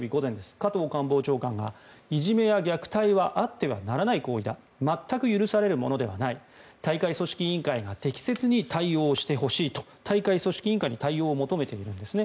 加藤官房長官がいじめや虐待はあってはならない行為だ全く許されるものではない大会組織委員会が適切に対応してほしいと大会組織委員会に対応を求めているんですね。